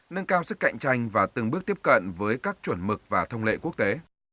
nâng cao sức cạnh tranh và từng bước tiếp cận với các chuẩn mực và thông lệ quốc tế